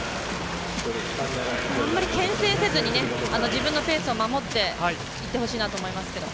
あまり、けん制せずに自分のペースを守っていってほしいなと思いますけど。